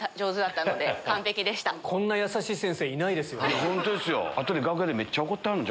こんな優しい先生いないですよ。